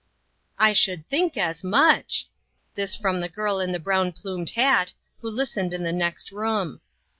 " I should think as much !" This from the girl in the brown plumed hat, who listened in the next room.